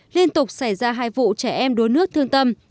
liên tục xảy ra hai vụ trẻ em đuối nước thương tâm